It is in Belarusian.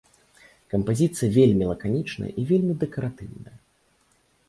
Кампазіцыя вельмі лаканічная і вельмі дэкаратыўная.